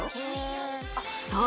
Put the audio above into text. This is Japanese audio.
そう！